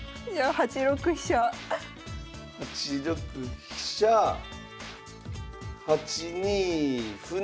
８六飛車８二歩成。